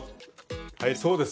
はいそうです